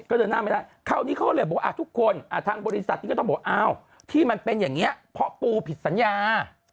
คราวนี้เขาเลยบอกว่าทุกคนทางบริษัทนี้ก็ต้องบอกที่มันเป็นอย่างเงี้ยเพราะปูผิดสัญญา